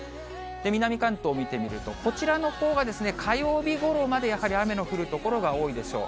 南関東を見てみると、こちらのほうはですね、火曜日ごろまでやはり雨の降る所が多いでしょう。